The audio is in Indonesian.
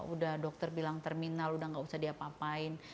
sudah dokter bilang terminal sudah tidak usah diapa apain